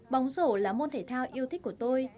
bóng rổ là môn thể thao yêu thích của tôi